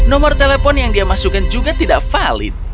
nomor telepon yang dia masukkan juga tidak valid